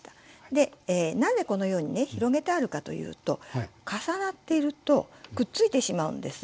で何でこのようにね広げてあるかというと重なっているとくっついてしまうんです。